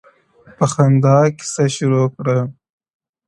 • په خــــنــدا كيــسـه شـــــروع كړه ـ